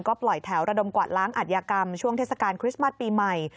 ก็ปล่อยแถวระดมกวาดล้างอัธยากรรมช่วงเทศกาลคริสต์มัสปีใหม่